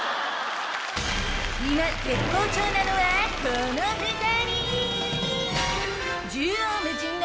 今絶好調なのはこの２人！